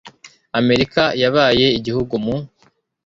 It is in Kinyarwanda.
Amerika yabaye igihugu mu .